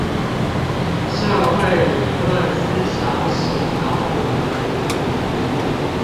社會理論思想史導論